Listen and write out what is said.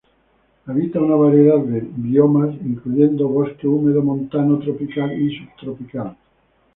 Habita una variedad de biomas incluyendo bosque húmedo montano tropical y subtropical.